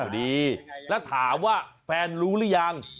นี่แล้วถามว่าแฟนรู้หรือยัง